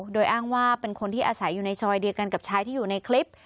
โดยอ้างว่าเป็นคนที่อาศัยอยู่ในซอยเดียวกันกับชายที่อยู่ในคลิป